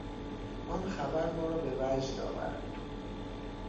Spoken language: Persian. آن خبر ما را به وجد آورد.